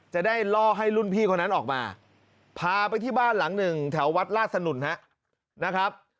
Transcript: จะได้ล่อให้รุ่นพี่คนนั้นออกมาพาไปที่บ้านหลังหนึ่งแถววัดลาสนุนนะครับ